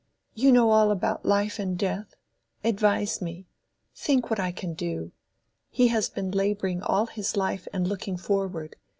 You know all about life and death. Advise me. Think what I can do. He has been laboring all his life and looking forward.